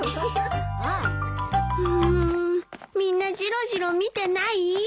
うんみんなジロジロ見てない？